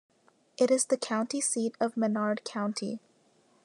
It is the county seat of Menard County.